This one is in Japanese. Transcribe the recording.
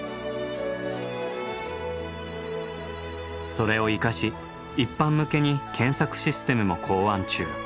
それを生かし一般向けに検索システムも考案中。